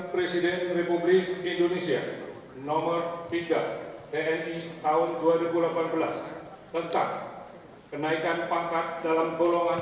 pengamatan sumpah jabatan